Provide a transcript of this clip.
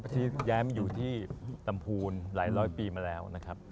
ที่ย้ายมาอยู่ที่ตำพูลหลายร้อยปีมาแล้ว